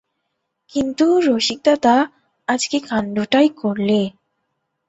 – কিন্তু রসিকদাদা, আজ কী কাণ্ডটাই করলে।